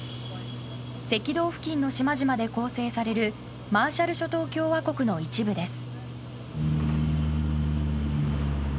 赤道付近の島々で構成されるマーシャル諸島共和国の一部です。